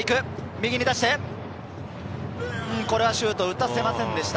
右に出して、これはシュートを打たせませんでした。